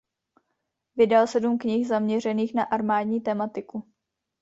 Vydal sedm knih zaměřených na armádní tematiku.